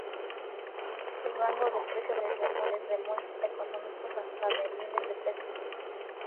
Su rango de precio varía desde muy económicos hasta de miles de pesos.